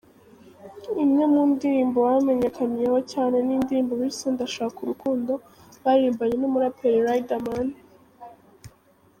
Imwe mu ndirimbo bamenyekaniyeho cyane ni indirimbo bise ’Ndashaka Urukundo’ baririmbanye n’umuraperi Riderman.